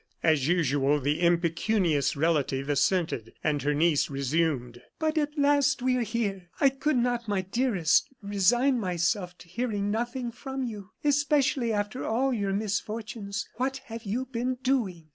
As usual, the impecunious relative assented, and her niece resumed: "But at last we are here. I could not, my dearest, resign myself to hearing nothing from you, especially after all your misfortunes. What have you been doing?